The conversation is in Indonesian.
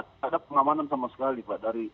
tidak ada pengamanan sama sekali pak